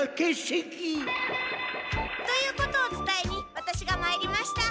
ということを伝えにワタシが参りました。